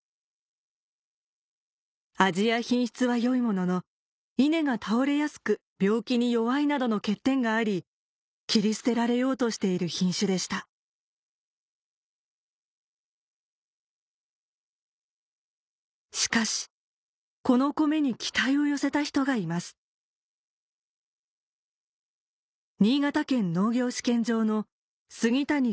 味や品質は良いものの稲が倒れやすく病気に弱いなどの欠点があり切り捨てられようとしている品種でしたしかしこのコメに期待を寄せた人がいます「やがて」